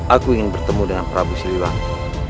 aku ingin bertemu dengan prabu siliwangi